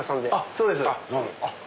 そうです。